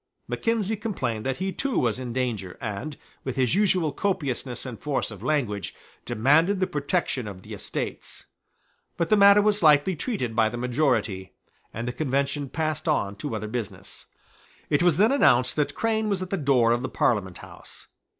Mackenzie complained that he too was in danger, and, with his usual copiousness and force of language, demanded the protection of the Estates. But the matter was lightly treated by the majority: and the Convention passed on to other business, It was then announced that Crane was at the door of the Parliament House.